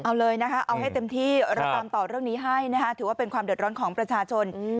เอาเลยนะคะเอาให้เต็มที่เราตามต่อเรื่องนี้ให้นะคะถือว่าเป็นความเดือดร้อนของประชาชน